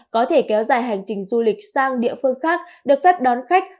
có thể kéo dài hành trình du lịch sang địa phương khác được phép đón khách